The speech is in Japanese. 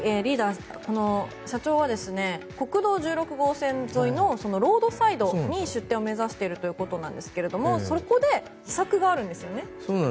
社長は、国道１６号線沿いのロードサイドに出店を目指しているということですけれどもそこで秘策があるんですよね。